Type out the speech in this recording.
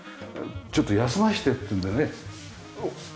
ちょっと休ませてっていうんだよね。